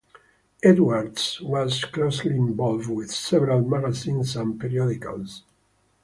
Edwards was closely involved with several magazines and periodicals.